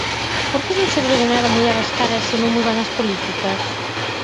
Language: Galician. Porque non serve de nada mudar as caras se non mudan as políticas.